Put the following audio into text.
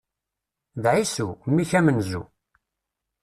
D Ɛisu! Mmi-k amenzu.